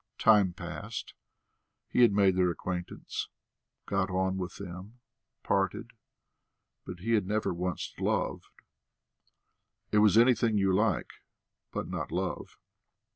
Time passed, he had made their acquaintance, got on with them, parted, but he had never once loved; it was anything you like, but not love.